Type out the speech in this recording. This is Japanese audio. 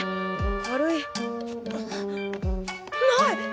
軽いない！